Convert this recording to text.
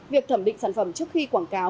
việc thẩm định sản phẩm trước khi quảng cáo